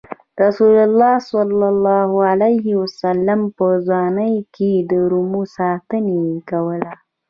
رسول الله ﷺ په ځوانۍ کې د رمو ساتنه یې کوله.